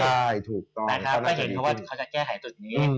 แก้ดูเห็นเค้าว่าเค้าก็จะแก้ให้ศึกษ์นี้